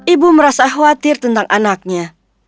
ibu merasa khawatir tentang anaknya